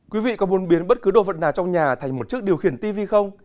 quý vị có muốn biến bất cứ đồ vật nào trong nhà thành một chiếc điều khiển tv không